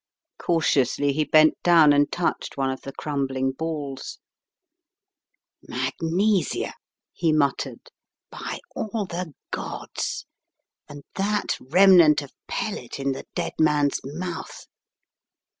Cautiously he bent down and touched one of the crumbling balls. "Magnesia," he muttered. "By all the Gods — and that remnant of pellet in the dead man's mouth